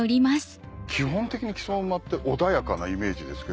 基本的に木曽馬って穏やかなイメージですけど。